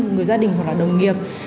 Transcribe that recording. người gia đình hoặc là đồng nghiệp